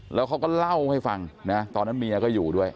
แล้วเขาก็เล่าให้ฟังนะตอนนั้นเมียก็อยู่ด้วย